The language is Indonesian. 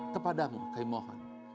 kepadamu khaim mohon